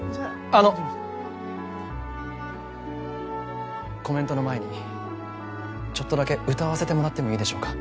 あのコメントの前にちょっとだけ歌わせてもらってもいいでしょうか？